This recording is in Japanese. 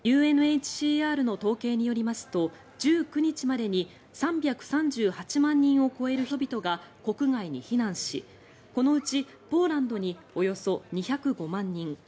ＵＮＨＣＲの統計によりますと１９日までに３３８万人を超える人々が国外に避難し、このうちポーランドにおよそ２０５万人